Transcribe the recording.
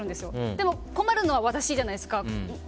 でも困るのは私じゃないですか。